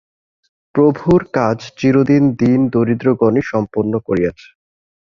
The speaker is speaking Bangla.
প্রভুর কাজ চিরদিন দীন-দরিদ্রগণই সম্পন্ন করিয়াছে।